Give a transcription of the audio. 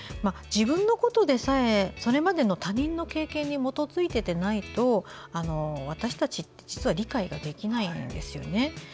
自分のことでさえ、それまでの他人の経験に基づいてでないと私たちって、実は理解ができないんですよね。